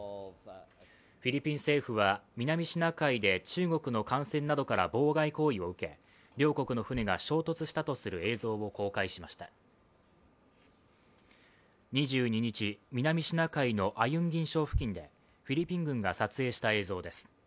フィリピン政府は南シナ海で中国の艦船などから妨害行為を受け両国の船が衝突したとする映像を公開しました２２日、南シナ海のアユンギン礁付近でフィリピン郡が撮影した映像です。